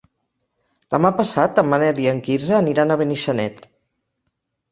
Demà passat en Manel i en Quirze aniran a Benissanet.